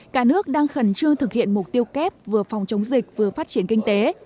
cả nước đang khẩn trương thực hiện mục tiêu kép vừa phòng chống dịch vừa phát triển kinh tế